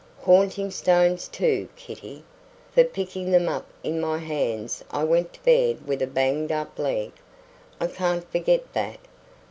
"Haunting stones, too, Kitty. For picking them up in my hands I went to bed with a banged up leg. I can't forget that.